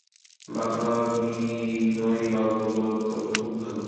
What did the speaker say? বাবা, বিনয়বাবু লোক তো খুব ভালো।